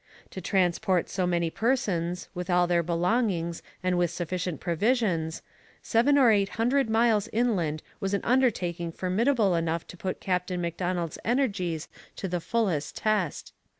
To transport so many persons, with all their belongings and with sufficient provisions, seven or eight hundred miles inland was an undertaking formidable enough to put Captain Macdonell's energies to the fullest test.